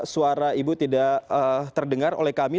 suara ibu tidak terdengar oleh kami